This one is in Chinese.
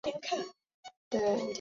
于伊特尔。